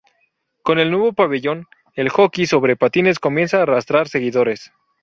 Con el nuevo pabellón, el Hockey sobre Patines comienza a arrastrar seguidores.